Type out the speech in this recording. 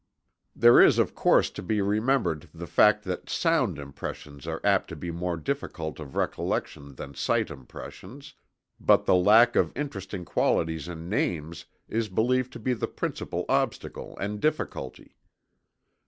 There is of course to be remembered the fact that sound impressions are apt to be more difficult of recollection than sight impressions, but the lack of interesting qualities in names is believed to be the principal obstacle and difficulty.